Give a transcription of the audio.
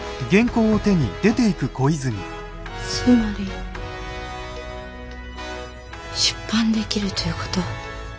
つまり出版できるという事？